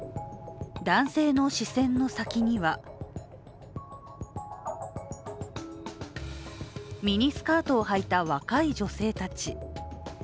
男性の視線の先にはミニスカートをはいた若い女性たち。